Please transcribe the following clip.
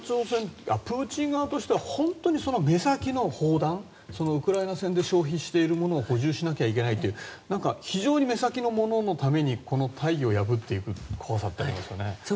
プーチン側としては本当に目先の砲弾ウクライナ戦で消費しているものを補充しなきゃいけないという目先のもののために大義を破っていく怖さがありますね。